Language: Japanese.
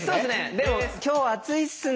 でも「今日暑いっすね」